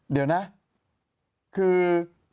เดี๋ยวนะคือ